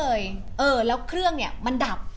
เออแล้วเครื่องเนี่ยมันดับ